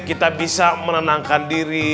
kita bisa menenangkan diri